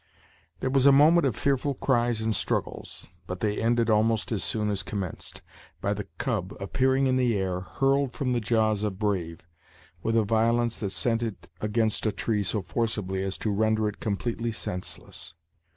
There was a moment of fearful cries and struggles, but they ended almost as soon as commenced, by the cub appearing in the air, hurled from the jaws of Brave, with a violence that sent it against a tree so forcibly as to render it completely senseless.